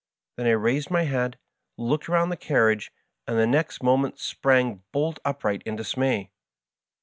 Then I raised my head, looked round the carriage, and the next moment sprang bolt upright in dismay.